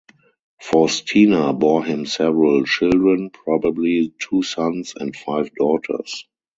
Faustina bore him several children, probably two sons and five daughters.